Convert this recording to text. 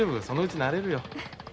そのうち慣れるよ。